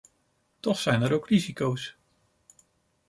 Toch zijn er ook risico's.